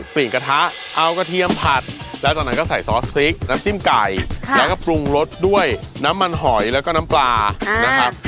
สี่กระทะเอากระเทียมผัดแล้วตอนนั้นก็ใส่ซอสพริกน้ำจิ้มไก่แล้วก็ปรุงรสด้วยน้ำมันหอยแล้วก็น้ำปลานะครับ